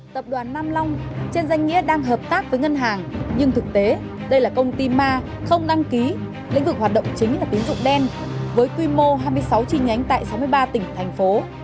tập đoàn nam long trên danh nghĩa đang hợp tác với ngân hàng nhưng thực tế đây là công ty ma không đăng ký lĩnh vực hoạt động chính là tín dụng đen với quy mô hai mươi sáu chi nhánh tại sáu mươi ba tỉnh thành phố